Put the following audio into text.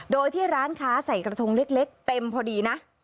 โดยที่ร้านค้าใส่กระทงเล็กเต็มพอดีนะ